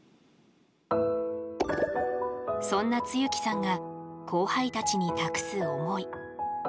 そんな露木さんが後輩たちに託す思い。